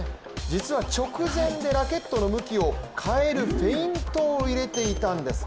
実は直前でラケットの向きを変えるフェイントを入れていたんです。